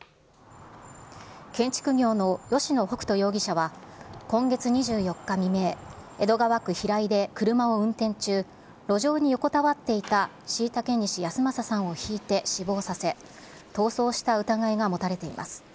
建築業の吉野北斗容疑者は、今月２４日未明、江戸川区平井で車を運転中、路上に横たわっていた後嵩西安正さんをひいて死亡させ、逃走した疑いが持たれています。